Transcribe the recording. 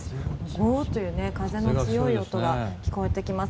ゴーという風の強い音が聞こえてきます。